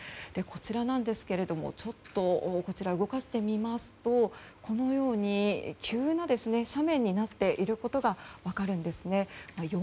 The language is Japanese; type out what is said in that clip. こちらなんですけれども動かしてみますとこのように急な斜面になっていることが分かるんです。